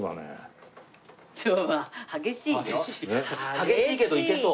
激しいけどいけそう。